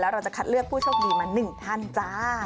แล้วเราจะคัดเลือกผู้โชคดีมาหนึ่งทันจ้า